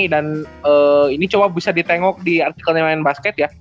dan ini coba bisa ditengok di artikelnya main basket ya